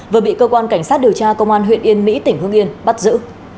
vừa bị cơ quan cảnh sát điều tra công an huyện yên mỹ tỉnh hương yên bắt giữ